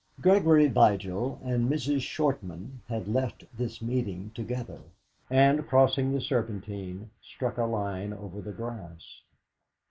Gregory Vigil and Mrs. Shortman had left this meeting together, and, crossing the Serpentine, struck a line over the grass.